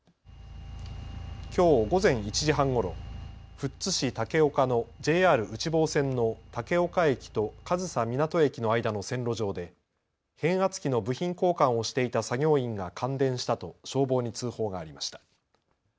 きょう午前１時半ごろ富津市竹岡のＪＲ内房線の竹岡駅と上総湊駅の間の線路上で変圧器の部品交換をしていた作業員が感電したと消防に通報がありました。